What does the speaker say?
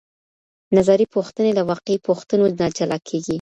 نظري پوښتنې له واقعي پوښتنو نه جلا کیږي.